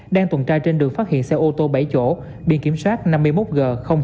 đang tuần trai trên đường phát hiện xe ô tô bảy chỗ biên kiểm soát năm mươi một g năm trăm chín mươi bảy